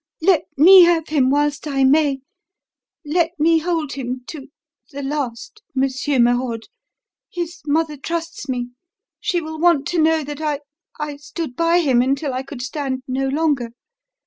"Let me have him whilst I may let me hold him to the last, Monsieur Merode. His mother trusts me. She will want to know that I I stood by him until I could stand no longer.